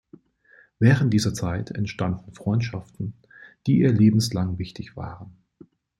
Während dieser Zeit entstanden Freundschaften, die ihr lebenslang wichtig waren.